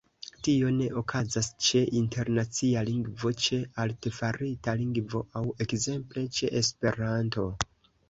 Tio ne okazas ĉe internacia lingvo, ĉe artefarita lingvo aŭ ekzemple ĉe Esperanto.